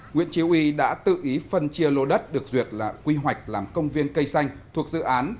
nguyễn trí uy đã tự ý phân chia lô đất được duyệt là quy hoạch làm công viên cây xanh thuộc dự án